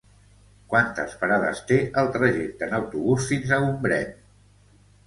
Quantes parades té el trajecte en autobús fins a Gombrèn?